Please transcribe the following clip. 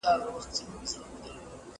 که زده کوونکي تمرين وکړي بريالي کېږي.